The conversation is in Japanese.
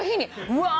うわ！